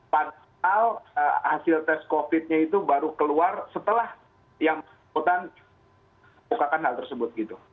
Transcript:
padahal hasil tes covid nya itu baru keluar setelah yang hutan bukakan hal tersebut gitu